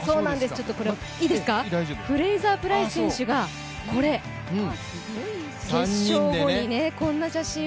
フレイザープライス選手が決勝後にこんな写真を。